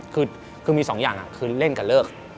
คือมีสองอย่างคือเล่นกับเลิก